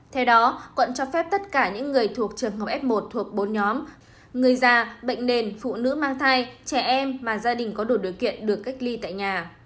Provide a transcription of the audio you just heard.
theo đó quận cho phép tất cả những người thuộc trường hợp f một thuộc bốn nhóm người già bệnh nền phụ nữ mang thai trẻ em mà gia đình có đủ điều kiện được cách ly tại nhà